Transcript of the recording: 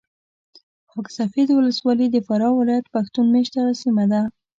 خاک سفید ولسوالي د فراه ولایت پښتون مېشته سیمه ده .